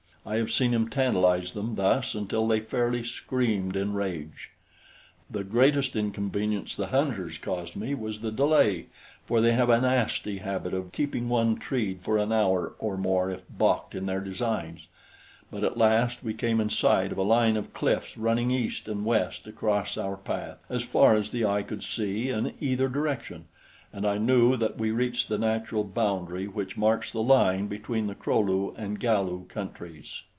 I have seen him tantalize them thus until they fairly screamed in rage. The greatest inconvenience the hunters caused me was the delay, for they have a nasty habit of keeping one treed for an hour or more if balked in their designs; but at last we came in sight of a line of cliffs running east and west across our path as far as the eye could see in either direction, and I knew that we reached the natural boundary which marks the line between the Kro lu and Galu countries.